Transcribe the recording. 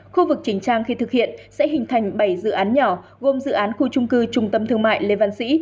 khu vực trình trang khi thực hiện sẽ hình thành bảy dự án nhỏ gồm dự án khu trung cư trung tâm thương mại lê văn sĩ